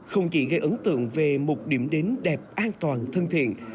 không chỉ gây ấn tượng về một điểm đến đẹp an toàn thân thiện